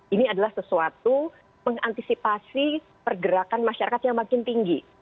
ini adalah sesuatu mengantisipasi pergerakan masyarakat yang makin tinggi